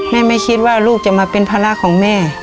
ไม่คิดว่าลูกจะมาเป็นภาระของแม่